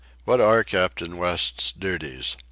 What are Captain West's duties?